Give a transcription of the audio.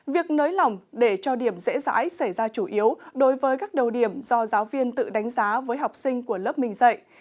việc nới lỏng để cho điểm dễ dãi xảy ra chủ yếu đối với các đầu điểm do giáo viên tự đánh giá với học sinh của lớp mình dạy